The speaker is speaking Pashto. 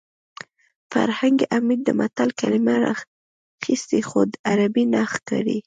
فرهنګ عمید د متل کلمه راخیستې خو عربي نه ښکاري